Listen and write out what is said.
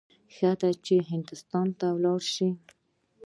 ښه داده چې هندوستان ته ولاړ شم.